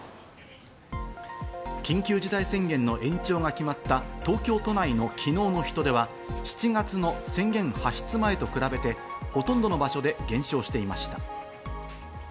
緊急事態宣言の延長が決まった東京都内の昨日の人出は７月の宣言発出前と比べてほとんどの場所で減少していました。